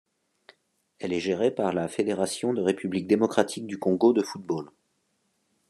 Elle est gérée par la Fédération de République démocratique du Congo de football.